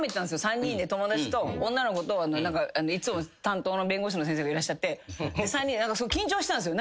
３人で友達と女の子といつも担当の弁護士の先生がいらっしゃって緊張してたんですよ